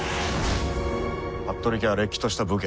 服部家はれっきとした武家。